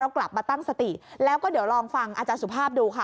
กลับมาตั้งสติแล้วก็เดี๋ยวลองฟังอาจารย์สุภาพดูค่ะ